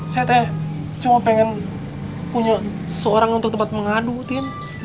saya cuma pengen punya seorang untuk tempat mengadu tim